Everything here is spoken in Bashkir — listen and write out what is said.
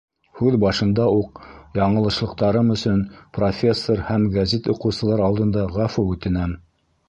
Һүҙ башында уҡ яңылышлыҡтарым өсөн профессор һәм гәзит уҡыусылар алдында ғәфү үтенәм.